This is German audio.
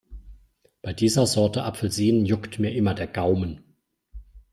Bei dieser Sorte Apfelsinen juckt mir immer der Gaumen.